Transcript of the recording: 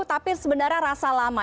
tapi sebenarnya rasa lama